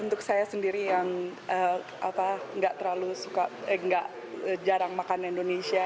untuk saya sendiri yang nggak terlalu suka nggak jarang makan indonesia